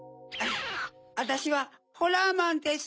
あたしはホラーマンです。